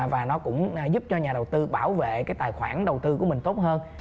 và nó cũng giúp cho nhà đầu tư bảo vệ cái tài khoản đầu tư của mình tốt hơn